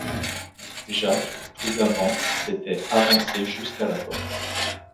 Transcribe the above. Jacques, prudemment, s'était avancé jusqu'à la porte.